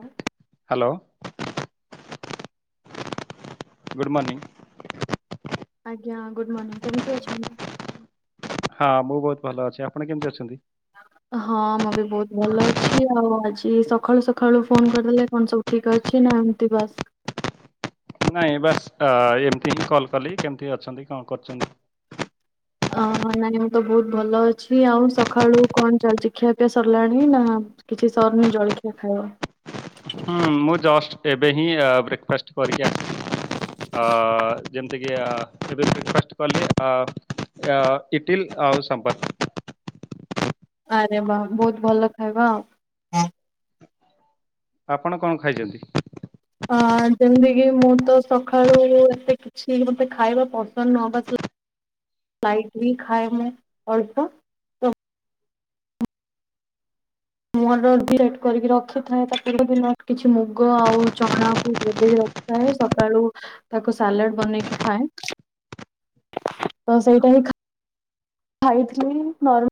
ହଁ hello. Good morning. ଆଜ୍ଞା good morning କେମିତି ଅଛନ୍ତି? ହଁ ମୁଁ ବହୁତ ଭଲ ଅଛି ଆପଣ କେମିତି ଅଛନ୍ତି? ହଁ ମୁଁ ବି ବହୁତ ଭଲ ଅଛି ଆଉ ଆଜି ସକାଳୁ ସକାଳୁ ଫୋନ କରିଦେଲେ କଣ ସବୁ ଠିକ ଅଛି ନା ଏମତି ବାସ୍। ନାଇଁ ବାସ୍ ଏମିତି ହି କଲ୍ କଲି କେମିତି ଅଛନ୍ତି କଣ କରୁଚନ୍ତି? ଅ ହ ନାନୀ ମୁଁ ତ ବହୁତ ଭଲ ଅଛି। ଆଉ ସକାଳୁ କଣ ଚାଲିଛି ଖିଆପିଆ ସରିଲାଣି ନା? କିଛି ସରିନି ଜଳଖିଆ ଖାଇବ। ହୁଁ ମୁଁ ଜଷ୍ଟ ଏବେ ହିଁ ବ୍ରେକଫାଷ୍ଟ କରିକି ଆସିଛି। ଅ ଯେମିତିକି ଏବେ ବ୍ରେକ୍ଫାଷ୍ଟ କଲି ଏ ଅ ଇଟିିଲ୍ ଆଉ ସମ୍ବର। ଆରେ ବା ବହୁତ ଭଲ ଖାଇବା ଆଉ। ଆପଣ କଣ ଖାଇଛନ୍ତି? ଅ ଯେମିତି କିି ମୁଁ ତ ସକାଳୁ ଏତେ ଛି ମତେ ଖାଇବା ପସନ୍ଦ ନୁହଁ ବାସ [inaudible] ଲାଇଟିଲି ଖାଏ ମୁଁ ଅଳ୍ପ। ମୁ ହେଠୁ [unintelligible] କରିକି ରଖିଥାଏ ତାପରେ ବି କିଛି ମୁଗ ଆଉ ଚଣାକୁ ଭେଦେଇକି ରଖ ଥାଏ ସକାଳୁ ତାକୁ ସାଲାଡ ବନେଇକି ଖାଏ। ତ ସେଇଟା ହିଁ ଖା ଖାଇଥିଲି ନର୍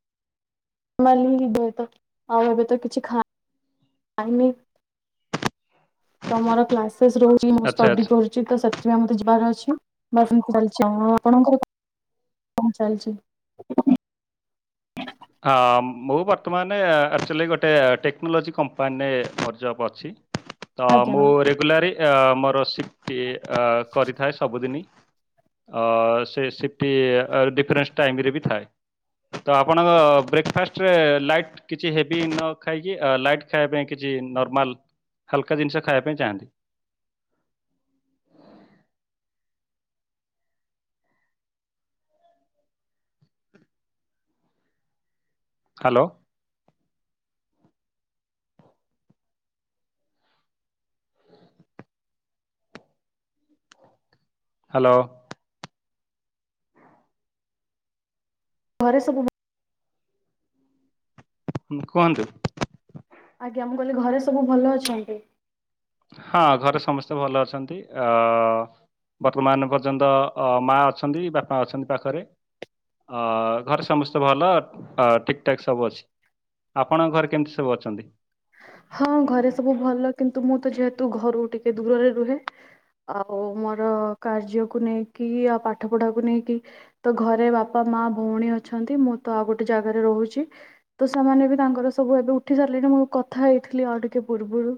ନର୍ମାଲି ବେ ତ ଆଉ ଏବେ ତ କିଛି ଖାଇନି। ତ ମୋର କ୍ଲାସେସ୍ ରହୁଛିକି ମୁଁ ଆଚ୍ଛା ଷ୍ଟଡି ଆଚ୍ଛା କରୁ ଚିତ ସେଥିପାଇଁ ମତେ ଯିବାର ଅଛି। ବାସ୍ ଏମିତି ଚାଲିଚି ଆଉ। ଆଉ ଆପଣଙ୍କର? କଣ ଚାଲିଛି? ଆ ମୁଁ ବର୍ତ୍ତମାନ ଆକ୍ଚୁଆଲି ଗୋଟେ ଟେକ୍ନୋଲୋଜି କମ୍ପାନୀରେ ମୋର ଜବ୍ ଅଛି। ତ ଆଜ୍ଞା ମୁଁ ରେଗୁଲାରି ଅ ମୋର ସିଫ୍ଟି ଅ କରିଥାଏ ସବୁଦିନି। ଅ ସେ ସିଫ୍ଟ ଡିଫରେନ୍ସ ଟାଇମ ରେ ବି ଥାଏ। ତ ଆପଣ ବ୍ରେକ୍ଫାଷ୍ଟରେ ଲାଇଟ୍ କିଛି ହେଭି ନ ଖାଇକି ଲାଇଟ ଖାଇବା ପାଇଁ କିଛି ନର୍ମାଲ। ହାଲକା ଜିନିଷ ଖାଇବା ପାଇଁ ଚାହାନ୍ତି। ହ୍ୟାଲୋ। ହ୍ୟାଲୋ। ଘରେ ସବୁ ଭ ହୁଁ କୁହନ୍ତୁ। ଆଜ୍ଞା ମୁଁ କହିଲି ଘରେ ସବୁ ଭଲ ଅଛନ୍ତି? ହଁ ଘରେ ସମସ୍ତେ ଭଲ ଅଛନ୍ତି। ଅ ବର୍ତ୍ତମାନ ପର୍ଯ୍ୟନ୍ତ ଅ ମା ଅଛନ୍ତି ବାପା ଅଛନ୍ତି ପାଖରେ। ଅ ଘରେ ସମସ୍ତେ ଭଲ ଠିକଠାକ୍ ସବୁ ଅଛି। ଆପଣଙ୍କ ଘରେ କେମିତି ସବୁ ଅଛନ୍ତି? ହଁ ଘରେ ସବୁ ଭଲ କିନ୍ତୁ ମୁଁ ତ ଯେହେତୁ ଘରୁ ଟିକେ ଦୂରରେ ରୁହେ। ଆଉ ମୋର କାର୍ଯ୍ୟକୁ ନେଇକି ଆଉ ପାଠ ପଢ଼ାକୁ ନେଇକି। ତ ଘରେ ବାପା ମା ଭଉଣୀ ଅଛନ୍ତି ମୁଁ ତ ଆଉ ଗୋଟେ ଜାଗାରେ ରହୁଛି। ତ ସେମାନେ ବି ତାଙ୍କର ସବୁ ଏବେ ଉଠି ସାରିଲେଣି ମୁଁ କଥା ହେଇଥିଲି ଆଉ ଟିକେ ପୂର୍ବରୁ।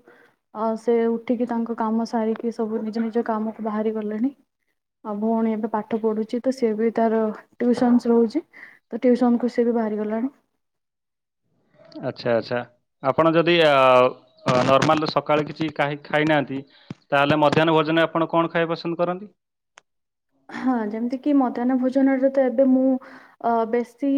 ଆ ସେ ଉଠିକି ତାଙ୍କ କାମ ସାରିକି ସବୁ ନିଜ ନିଜ କାମକୁ ବାହାରି ଗଲେଣି। ଆଉ ଭଉଣୀ ଏବେ ପାଠ ପଢୁଛି ତ ସିଏ ବି ତାର ଟିଉସନ ରହୁଛି। ତ ଟିଉସନ କୁ ସେ ବି ବାହାରିଗଲାଣି। ଆଚ୍ଛା ଆଚ୍ଛା ଆପଣ ଯଦି ନର୍ମାଲ ସକାଳେ କିଛି ଖାଇ ଖାଇନାହାନ୍ତି ତାହେଲେ ମଧ୍ୟାହ୍ନ ଭୋଜନରେ ଆପଣ କଣ ଖାଇବା ପସନ୍ଦ କରନ୍ତି? ହଁ ଯେମିତି କି ମଧ୍ୟାହ୍ନ ଭୋଜନରେ ତ ଏବେ ମୁଁ ଅ ବେଶୀ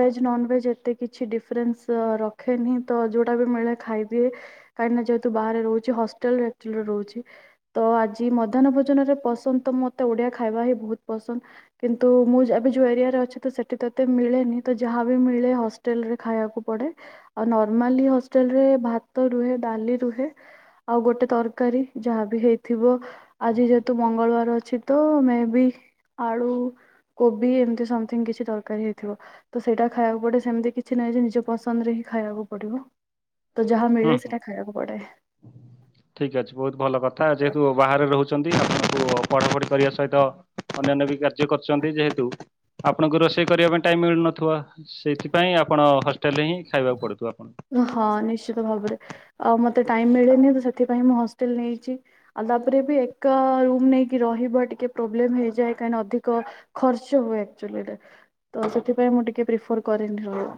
ଭେଜ ନନଭେଜ ଏତେ କିଛି ଡିଫରେନ୍ସ ର ଖେନି ତ ଯେଉଁଟା ବି ମିଳେ ଖାଇଦିଏ। କାହିଁକିନା ଯେହେତୁ ବାହାରେ ରହୁଛି ହଷ୍ଟେଲଚୁଆଲି ରହୁଛି। ତ ଆଜି ମଧ୍ୟାହ୍ନ ଭୋଜନରେ ପସନ୍ଦ ତ ମତେ ଓଡିଆ ଖାଇବା ହିଁ ବହୁତ ପସନ୍ଦ କିନ୍ତୁ ମୁଁ ଏବେ ଯୋଉ ଏରିଆରେ ଅଛି ତ ସେଠି ତ ଏତେ ମିଳେନି ତ ଯାହାବି ମିଳେ। ହ ଖାଇବାକୁ ପଡେ ଆଉ ନର୍ମାଲ ହୋଟେଲରେ ଭାତ ରହେ ଡାଲି ରହ। ଆଉ ଗୋଟେ ତରକାରୀ ଯାହାବି ହେଇଥିବ ଆଜି ଯେହେତୁ ମଙ୍ଗଳବାର ଅଛି। ତ ମେ ବି ଆଳୁ କୋବି ଏମତି ସମଥିଙ୍ଗ କିଛି ତରକାରୀ ହେଇଥିବ। ତ ସେଇଟା ଖାଇବାକୁ ପଡିବ ସେମିତି କିଛି ନାହିଁ ଯେ ନିଜ ପସନ୍ଦରେ ହିଁ ଖାଇବାକୁ ପଡିବ। ତ ଯାହା ହୁଁ ମିଳେ ହୁଁ ସେଇଟା ଖାଇବାକୁ ପଡେ। ଠିକ୍ ଅଛି ବହୁତ ଭଲ କଥା ଯେହେତୁ ବାହାରେ ରହୁଛନ୍ତି ଆପଣଙ୍କୁ ପଢ଼ାପଢି କରିବା ସହିତ। ଅନ୍ୟାନ୍ୟ ବି କାର୍ଯ୍ୟ କରୁଛନ୍ତି ଯେହେତୁ ଆପଣଙ୍କୁ ରୋଷେଇ କରିବା ପାଇଁ ଟାଇମ ମିଳୁନଥିବା ସେଇଥିପାଇଁ ଆପଣ ହଷ୍ଟେଲରେ ହିଁ ଖାଇବାକୁ ପଡୁଥିବ ଆପଣଙ୍କୁ ହଁ ନିଶ୍ଚିତ ଭାବରେ ଆଉ ମତେ ଟାଇ ମିଳେନି ତ ସେଥିପାଇଁ ମୁଁ ହଷ୍ଟେଲ ନେଇଛି। ଆଉ ତାପରେ ବି ଏକା ରୁମ ନେଇକି ରହିବା ଟିକେ ପ୍ରୋବ୍ଲେମ ହେଇଯାଏ କାହିଁ ନା ଅଧିକ। ଖର୍ଚ୍ଚ ହୁଏଚୁରେ ତ ସେଥିପାଇଁ ମୁଁ ଟିକେ ପ୍ରିଫର କରିନି ରହ।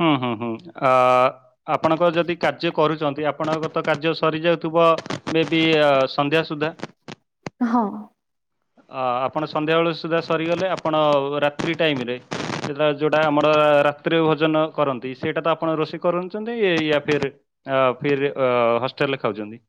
ହୁଁ ହୁଁ ହୁଁ ଆପଣଙ୍କ ଯଦି କାର୍ଯ୍ୟ କରୁଛନ୍ତି ଆପଣଙ୍କର ତ କାର୍ଯ୍ୟ ସରିଯାଉଥିବ ମେବ ସନ୍ଧ୍ୟା ସୁଦ୍ଧା। ହଁ ଆପଣ ସନ୍ଧ୍ୟାବେଳ ସୁଦ୍ଧା ସରିଗଲେ ଆପଣ ରାତ୍ରି ଟାଇମ୍ ରେ ସେଟା ଯୋଉଟା ଆମର ରାତ୍ରିରେ ଭୋଜନ କରନ୍ତି ସେଇଟା ତ ଆପଣ ରୋଷେଇ କରୁଛନ୍ତି ୟା ଫିର୍ ଅ ଫିର ହଷ୍ଟେଲରେ ଖାଉଛନ୍ତି।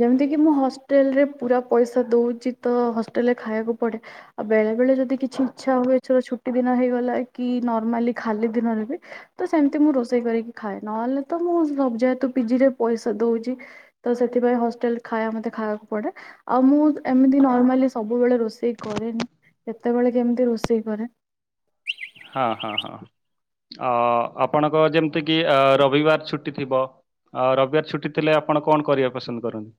ଯେମିତିକି ମୁଁ ହଷ୍ଟେଲରେ ପୁରା ପଇସା ଦଉଛି ତ ହଷ୍ଟେଲରେ ଖାଇବାକୁ ପଡ଼େ। ଆଉ ବେଳେ ବେଳେ ଯଦି କିଛି ଇଚଛା ହୁଏଥର ଛୁଟି ଦିନ ହେଇଗଲା କି ନର୍ମାଲି ଖାଲି ଦିନରେ ବି ତ ସେମିତି ମୁଁ ରୋଷେଇ କରିକି ଖାଏ ନହେଲେ ତ ମୁଁ ସବ ଯାଏେତୁ ପିଜି ରେ ପଇସା ଦଉଛି। ତ ସେଥିପାଇଁ ହଷ୍ଟେଲ ଖାଇବା ମତେ ଖାଇବାକୁ ପଡେ। ଆଉ ମୁଁ ଏମିତି ନର୍ମାଲି ସବୁବେଳେ ରୋଷେଇ କରେନି କେତେବେଳେ କେମିତି ରୋଷେଇ କରେ। ହଁ ହଁ ହଁ ଆପଣଙ୍କ ଯେମିତି କିି ରବିବାର ଛୁଟି ଥିବ। ଆଉ ରବିବାର ଛୁଟି ଥିଲେ ଆପଣ କଣ କରିବା ପସନ୍ଦ କରନ୍ତି।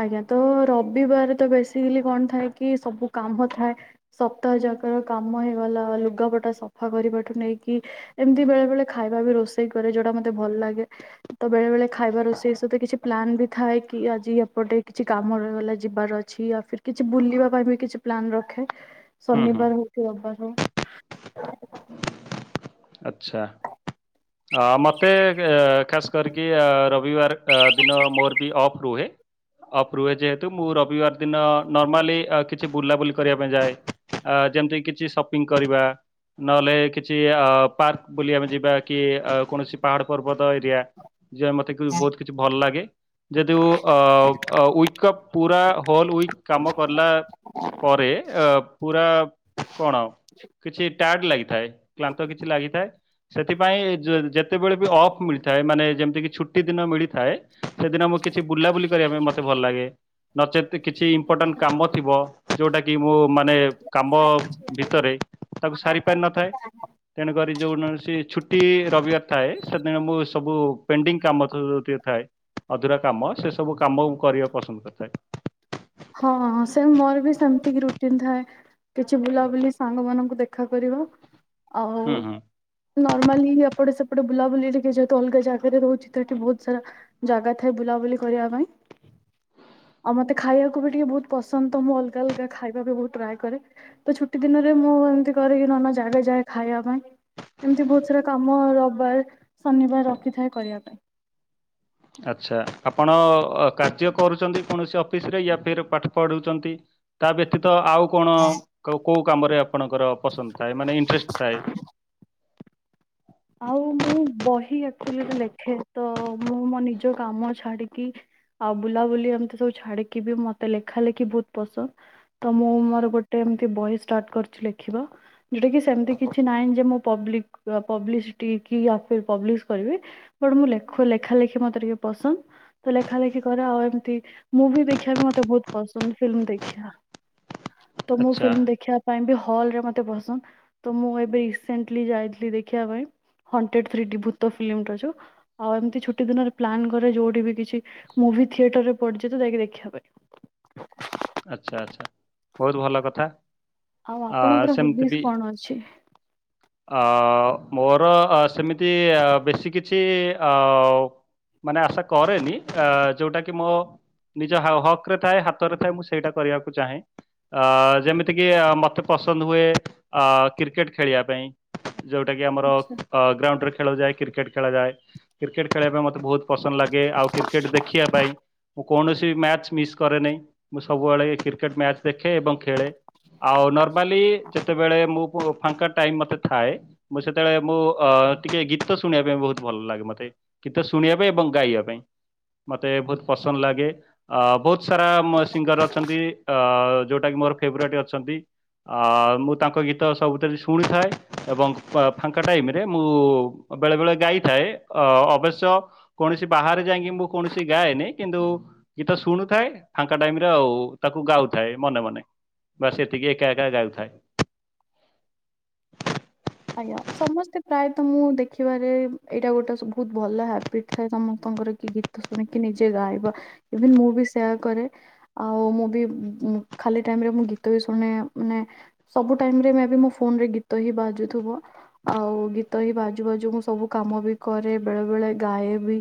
ଆଜ୍ଞା ତ ରବିବାର ତ ବେସିକାଲି କଣ ଥାଏ କି ସବୁ କାମ ଥାଏ। ସପ୍ତାହ ଯାକର କାମ ହେଇଗଲା ଲୁଗାପଟା ସଫା କରିବାଠୁ ନେଇକି ଏମିତି ବେଳେ ବେଳେ ଖାଇବା ବି ରୋଷେଇ କରେ ଯୋଉଟା ମତେ ଭଲ ଲାଗେ। ତ ବେଳେ ବେଳେ ଖାଇବା ରୋଷେଇ ସହିତ କିଛି ପ୍ଲାନ ବି ଥାଏ କି ଆଜି ପଟେ କିଛି କାମ ର ଗଲାଆ ଯିବାର ଅଛି ଆ କିଛି ବୁଲିବା ପାଇଁ ବି କିଛି ପ୍ଲାନ ରଖେ। ହୁଁ ହୁଁ ଶନିବାର ହଉ କି ରବିବାର ହଉ। ଆଚଛା ଆ ମତେ ଅ ଖାସ୍ କରିକି ରବିବାର ଦିନ ମୋର ବି ଅଫ୍ ରୁହେ ଅପ ଯେହେତୁ ମୁଁ ରବିବାର ଦିନ ନର୍ମାଲି କିଛି ବୁଲାବୁଲି କରିବା ପାଇଁ ଯାଏ ଯେମିତି କିଛି ସପିଙ୍ଗ କରିବା। ନହେଲେ କିଛି ଅ ପାର୍କ ବୁଲିବାକୁ ଜିବା କି କୌଣସି ପାହାଡ ପର୍ବତ ଏରିଆ ଯ ମତେ କି ବହୁତ କିଛି ଭଲ ଲାଗେ ଯଦି ଅ ପୁରା ହଲ ଉଇ କାମ କଲା। ପରେ ଅ ପୁରା କଣ କିଛି ଟାଇଲ ଲାଗିଥାଏ କ୍ରାନ୍ତ କିଛି ଲାଗିଥାଏ। ସେଥିପାଇଁ ଯେତେବେଳେ ବି ଅଫ୍ ମିଳିଥାଏ ମାନେ ଯେମିତିକି ଛୁଟି ଦିନ ମିଳିଥାଏ। ସେଦିନ ମୁଁ କିଛି ବୁଲାବୁଲି କରିବା ପାଇଁ ମତେ ଭଲ ଲାଗେ। ନଚେତ୍ କିଛି ଇମ୍ପୋର୍ଟାଣ୍ଟ କାମ ଥିବ ଯୋଉଟାକି ମୁଁ ମାନେ କାମ ଭିତରେ ତାକୁ ସାରି ପାରିନଥାଏ ତେଣୁକରି ଯୋଉ ନହେଲେ ସିଏ ଛୁଟି ରବିବାର ଥାଏ। ସେଦିନ ମୁଁ ସବୁ ପେଣ୍ଡିଙ୍ଗ କାମ ସବୁତିକ ଥାଏ। ଅଧୁରା କାମ ସେ ସବୁ କାମ କରିବାକୁ ପସନ୍ଦ କରିଥାଏ। ହଁ ସେ ମୋର ବି ସେମିତିକ ରୁଟିନ ଥାଏ। କିଛି ବୁଲାବୁଲି ସାଙ୍ଗ ମାନଙ୍କୁ ଦେ ଖା କରିବାଳ ଆଉ ହୁଁ ହୁଁ। ନର୍ମାଲି ଏପଟେ ସେପଟେ ବୁଲାବୁଲି ଟିକେ ଯେହେତୁ ଅଲଗା ଜାଗାରେ ରହୁଚି ତ ଏଠି ବୋହୁତ ସାରା ଜାଗା ଥାଏ ବୁଲାବୁଲି କରିବା ପାଇଁ ଆଉ ମତେ ଖାଇବା ଟିକେ ବୋହୁତ ପସନ୍ଦ ତ ମୁଁ ଅଲଗା ଅଲଗା ଖାଇବା ବି ବୋହୁତ ଟ୍ରାଏ କରେ। ତ ଛୁଟି ଦିନରେ ମୁଁ ଏମତି କରେ କିି ନୂଆ ନୂଆ ଜାଗା ଯାଏ ଖାଇବା ପାଇଁ। ଏମିତି ବୋହୁତ ସାରା କାମ ରବିବାର, ଶନିବାର ରଖିଥାଏ କରିବା ପାଇଁ। ଆଚ୍ଛା ଆପଣ କାର୍ଯ୍ୟ କରୁଚନ୍ତି କୌଣସି ଅଫିସରେ ୟା ଫିର୍ ପାଠ ପଢୁଚନ୍ତି। ତା ବ୍ୟତୀତ ଆଉ କଣ କୋଉ କୋଉ କାମରେ ଆପଣଙ୍କର ପସନ୍ଦ ଥାଏ ମାନେ ଇଣ୍ଟରେଷ୍ଟ ଥାଏ। ଆଉ ମୁଁ ବହି ଆକଚ୍ୟୁଲିରେ ଲେଖେ ତ ମୁଁ ମୋ ନିଜ କାମ ଛାଡିକି ଆଉ ବୁଲାବୁଲି ଏମିତି ସବୁ ଛାଡିକି ବି ମତେ ଲେଖା ଲେଖି ବୋହୁତ ପସନ୍ଦ। ତ ମୁଁ ମୋର ଗୋଟେ ଏମତି ବହି ଷ୍ଟାର୍ଟ କରିଚି ଲେଖିବା। ଯେଉଟା କି ସେମିତି କିଛି ନାହିଁ ଯେ ମୁଁ ପବ୍ଲିକ୍ ପ୍ର ପବ୍ଲିସିଟି କି ୟା ଫିର୍ ପବ୍ଲିଶ କରିବି ବଟ୍ ମୁଁ ଲେଖୁ ଲେଖା ଲେଖି ମତେ ଟିକେ ପସନ୍ଦ। ତ ଲେଖା ଲେଖି କରେ ଆଉ ଏମିତି ମୁଭି ଦେଖିବାକୁ ବି ମତେ ବୋହୁତ ପସନ୍ଦ ଫିଲ୍ମ ଦେଖିବା। [unintelligible] ଆଃ ତ ମୁଁ ଆଚ୍ଛା ଫିଲ୍ମ ଦେଖିବା ପାଇଁ ବି ହଲରେ ମତେ ପସନ୍ଦ ତ ମୁଁ ଏବେ ରିସେଣ୍ଟଲି ଯାଇଥିଲି ଦେ ଖିବା ପାଇଁ ହଣ୍ଡ୍ରେଡ୍ ଥ୍ରୀ ଡି ଭୂତ ଫିଲ୍ମଟା ଯୋଉ। ଆଉ ଏମିତି ଛୁଟି ଦିନରେ ପ୍ଲାନ୍ କରେ ଯୋଉଠି ବି କିଛି ମୁଭି ଥିଏଟରରେ ପଡିଚି ତ ଯାଇକି ଦେଖିବା ପାଇଁ। ଆଚ୍ଛା ଆଚ୍ଛା ବୋହୁତ ଭଲ କଥା। ଆଉ ଆ, ଆପଣଙ୍କର ହବିଜ୍ କଣ ଅଛି? ଆ ଓ ମୋର ସେମିତି ବେଶୀ କିଛି ଆ ଓ ମାନେ ଆଶା କରେନି ଆ ଯୋଉଟା କି ମୋ ନିଜ ହାଓ ହକରେ ଥାଏ ହାତରେ ଥାଏ। ମୁଁ ସେ ସେଇଟା କରିବାକୁ ଚାହେଁ। ଆ ଯେମିତିକି ମତେ ପସନ୍ଦ ହୁଏ। ଆ କ୍ରିକେଟ ଖେଳିବା ପାଇଁ। ଯୋଉଟା କି ଆମର ଗ୍ରାଉଣ୍ଡରେ ଖେଳ ଯାଏ କ୍ରିକେଟ ଖେଳାଯାଏ। କ୍ରିକେଟ୍ ଖେଳିବା ପାଇଁ ମତେ ବୋହୁତ ପସନ୍ଦ ଲାଗେ ଆଉ କ୍ରିକେଟ ଦେଖିବା ପାଇଁ ମୁଁ କୌଣସି ମ୍ୟାଚ ମିସ୍ କରେନାଇଁ। ମୁଁ ସବୁବେଳେ କ୍ରିକେଟ ମ୍ୟାଚ୍ ଦେଖେ ଏବଂ ଖେଳେ ଆଉ ନର୍ମାଲି ଯେତେବେଳେ ମୁଁ ଓ ଫାଙ୍କା ଟାଇମ୍ ମତେ ଥାଏ। ମୁଁ ସେତେବେଳେ ମୁଁ ଅ ଟିକେ ଗୀତ ଶୁଣିବା ପାଇଁ ବୋହୁତ ଭଲ ଲାଗେ ମତେ। ଗୀତ ଶୁଣିବା ପାଇଁ ଏବଂ ଗାଇବା ପାଇଁ ମତେ ବୋହୁତ ପସନ୍ଦ ଲାଗେ। ଆ ବୋହୁତ ସାରା ମ ସିଙ୍ଗର ଅଛନ୍ତି ଅ ଯୋଉଟା କି ମୋର ଫେବରେଟ୍ ଅଛନ୍ତି। ଆ ମୁଁ ତାଙ୍କ ଗୀତ ସବୁଥିରେ ଶୁଣିଥାଏ ଏବଂ ପା ଫାଙ୍କା ଟାଇମରେ ମୁଁ ବେଳେ ବେଳେ ଗାଇଥାଏ ଅ ଅବଶ୍ୟ କୌଣସି ବାହାରେ ଯାଇକି ମୁଁ କୌଣସି ଗାଏନି କିନ୍ତୁ ଗୀତ ଶୁଣୁଥାଏ। ଫାଙ୍କା ଟାଇମରେ ଆଉ ତାକୁ ଗାଉଥାଏ ମନେ ମନେ ବାସ ଏତିକି ଏକା ଏକା ଗାଉଥାଏ। ଆଜ୍ଞା ସମସ୍ତେ ପ୍ରାୟତଃ ମୁଁ ଦେଖିବାରେ ଏଇଟା ଗୋଟେ ସୁ ବୋହୁତ ଭଲ ହାବିଟ୍ ଥାଏ ସମସ୍ତଙ୍କର କି ଗୀ ତ ଶୁଣିକି ନିଜେ ଗାଇବା ଇଭିନ୍ ମୁଁ ବି ସେୟା କରେ। ଆଉ ମୁଁ ବି [unintelligible] ଉ‍ଁ ଖାଲି ଟାଇମରେ ମୁଁ ଗୀତ ବି ଶୁଣେ ମାନେ ସବୁ ଟାଇମରେ ମେ ବି ମୋ ଫୋନରେ ଗୀତ ହିଁ ବାଜୁ ଥିବ ଆଉ ଗୀତ ହିଁ ବାଜୁ ବାଜୁ ମୁଁ ସବୁ କାମ ବି କରେ ବେଳେ ବେଳେ ଗାଏ ବି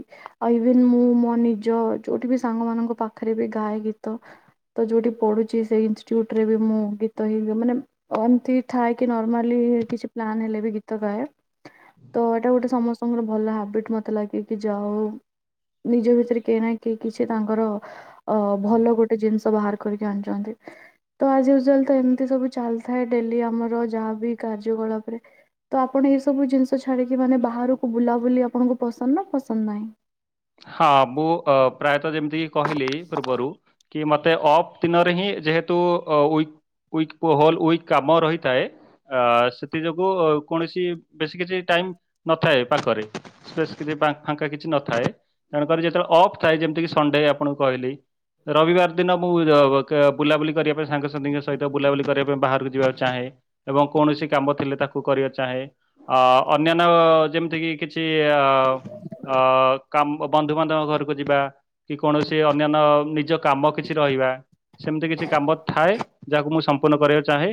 ଆଉ ଇଭିନ ମୁଁ ମୋ ନିଜ ଯୋଉଠି ବି ସାଙ୍ଗ ମାନଙ୍କ ପାଖରେ ବି ଗାଏ ଗୀତ ତ ଯୋଉଠି ପଢୁଛି ସେଇ ଇନ୍ଷ୍ଟୁଟରେ ବି ମୁଁ ଗୀତଇ ମାନେ ଏମତି ଥାଏ କି ନର୍ମାଲି କିଛି ପ୍ଲାନ ହେଲେ ବି ଗୀତ ଗାଏ। ତ ଏଇଟା ଗୋଟେ ସମସ୍ତଙ୍କର ଭଲ ହାବିଟ୍ ମତେ ଲାଗେ କିି ଯାହା ହୋଉ ନିଜ ଭିତରେ କେହି ନା କେହି କିଛି ତାଙ୍କର ଅ ଭଲ ଗୋଟେ ଜିନିଷ ବାହାର କରିକି ଆଣିଛନ୍ତି। ତ ଆଜୟୁଜାଲ ତ ଏମିତି ସବୁ ଚାଲିଥାଏ ଡେଲି ଆମର ଯାହାବି କାର୍ଯ୍ୟକଳାପ ତ ଆପଣ ଏଇ ସବୁ ଜିନିଷ ଛାଡିକି ମାନେ ବାହାରକୁ ବୁଲାବୁଲି ଆପଣଙ୍କୁ ପସନ୍ଦ ନା ପସନ୍ଦ ନାହିଁ? ହଁ ମୁଁ ଅ ପ୍ରାୟତଃ ଯେମିତିକ କହିଲି ପୂର୍ବରୁ କି ମତେ ଅଫ୍ ଦିନରେ ହିଁ ଯେହେତୁ ଅ ଉଇକ୍ ହୋଲ ଉଇକ୍ କାମ ରହିଥାଏ। ଆ ସେଥି ଯୋଗୁ କୌଣସି ବେଶୀ କିଛି ଟାଇମ୍ ନଥାଏ ପାଖରେ। ସ୍ପେସି ଫା ଫାଙ୍କା କିଛି ନଥାଏ। ତେଣୁକରି ଯେତେବେଳେ ଅଫ୍ ଥାଏ। ଯେମିତିକି ସଣ୍ଡେ ଆପଣଙ୍କୁ କହିଲି ରବିବାର ଦିନ ମୁଁ ଅ ଆ ବୁଲାବୁଲି କରିବା ପାଇଁ ସାଙ୍ଗସାଥିୀଙ୍କ ସହିତ ବୁଲାବୁଲି କରିବା ପାଇଁ ବାହାରକୁ ଯିବାକୁ ଚାହେଁ। ଏବଂ କୌଣସି କାମ ଥିଲେ ତାକୁ କରିବା ଚାହେଁ ଆ ଅନ୍ୟାନ୍ୟ ଯେମିତିକି କିଛି ତି ଅ ଆ କାମ ବନ୍ଧୁବାନ୍ଧବ ଘରକୁ ଯିବା କି କୌଣସି ଅନ୍ୟାନ୍ୟ ନିଜ କାମ କିଛି ରହିବା ସେମିତି କିଛି କାମ ଥାଏ ଯାହାକୁ ମୁଁ ସ ମ୍ପୁର୍ଣ୍ଣ କରିବା ଚାହେଁ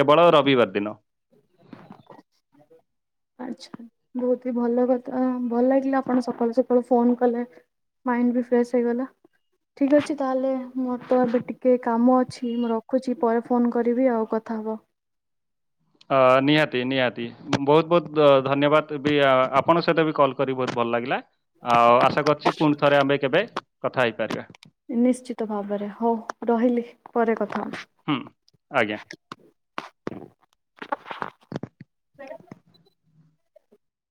କେବଳ ରବିବାର ଦିନ। ଆଚ୍ଛା ବହୁତ ଭଲ କଥା ଭଲ ଲାଗିଲା ଆପଣ ସକାଳୁ ସକାଳୁ ଫୋନ କଲେ। ମାଇଣ୍ଡ ବି ଫ୍ରେଶ ହେଇଗଲା। ଠିକ୍ ଅଛି ତାହେଲେ ମୋର ତ ଏବେ ଟିକେ କାମ ଅଛି ମୁଁ ରଖୁଛି ପରେ ଫୋନ୍ କରିବି ଆଉ କଥା ହବା। ଅ ନିହାତି ନିହାତି ବୋହୁତ ବୋହୁତ ଅ ଧନ୍ୟବାଦ ଦେବି ଆପଣଙ୍କ ସହିତ ବି କଲ୍ କରି ବହୁତ ଭଲ ଲାଗିଲା। ଆଉ ଆଶା କରୁଛି ପୁଣି ଥରେ ଆମେ କେବେ କଥା ହେଇପାରିବା। ନିଶ୍ଚିତ ଭାବରେ ହଉ ରହିଲି ପରେ କଥା ହ ହୁଁ ଆଜ୍ଞା